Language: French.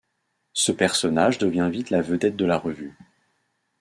Ce personnage devient vite la vedette de la revue.